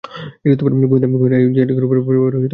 গোয়েন্দা J Edgar হুভারও পেপারে তোমার নাম খুঁজে পাবে না।